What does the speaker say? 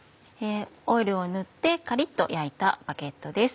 オイルを塗ってカリっと焼いたバゲットです。